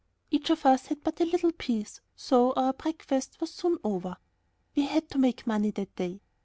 Each of us had but a little piece, so our breakfast was soon over. We had to make money that day.